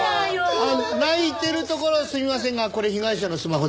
泣いてるところすみませんがこれ被害者のスマホです。